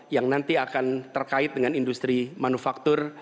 yang nanti akan terkait dengan industri manufaktur